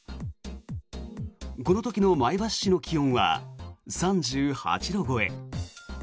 この時の前橋市の気温は３８度超え。